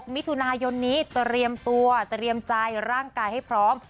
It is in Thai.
มิถุนายนนี้เตรียมตัวเตรียมใจร่างกายให้พร้อม